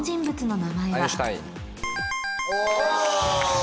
お！